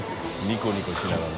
ニコニコしながら。